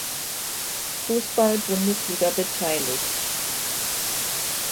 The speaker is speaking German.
Fußball-Bundesliga beteiligt.